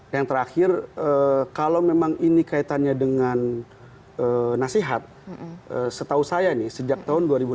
yang terakhir kalau memang ini kaitannya dengan nasihat setahu saya nih sejak tahun dua ribu lima belas